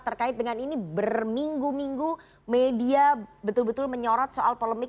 terkait dengan ini berminggu minggu media betul betul menyorot soal polemik